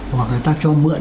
hoặc người ta cho mượn